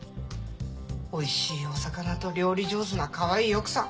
おいしいお魚と料理上手なかわいい奥さん。